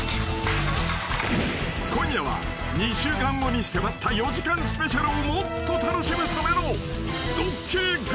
［今夜は２週間後に迫った４時間スペシャルをもっと楽しむための］